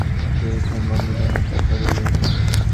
কেহ এ সম্বন্ধে কোনো কথা বলিল না।